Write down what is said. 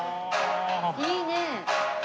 いいね！